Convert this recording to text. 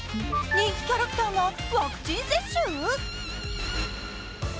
人気キャラクターがワクチン接種？